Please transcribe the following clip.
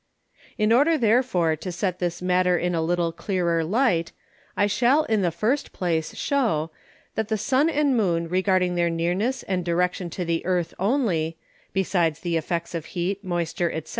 In order therefore to set this Matter in a little clearer light, I shall in the first place shew, That the Sun and Moon regarding their Nearness and Direction to the Earth only, besides the Effects of Heat, Moisture, _&c.